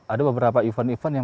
ada beberapa event event yang